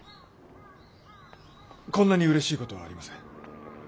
こんなにうれしい事はありません。